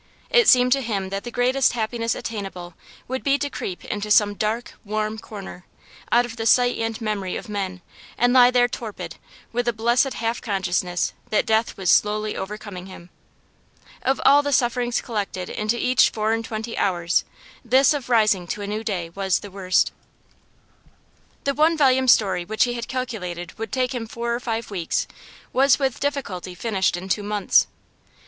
It seemed to him that the greatest happiness attainable would be to creep into some dark, warm corner, out of the sight and memory of men, and lie there torpid, with a blessed half consciousness that death was slowly overcoming him. Of all the sufferings collected into each four and twenty hours this of rising to a new day was the worst. The one volume story which he had calculated would take him four or five weeks was with difficulty finished in two months.